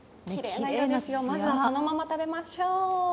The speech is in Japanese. まずはこのまま食べましょう。